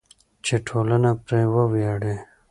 چې ټولنه پرې وویاړي.